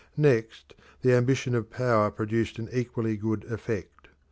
Next, the ambition of power produced an equally good effect.